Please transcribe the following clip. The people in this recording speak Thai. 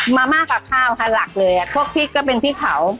มาม่ากับข้าวค่ะหลักเลยพวกพริกก็เป็นพริกเผา